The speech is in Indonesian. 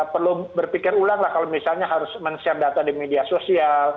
perlu berpikir ulang lah kalau misalnya harus men share data di media sosial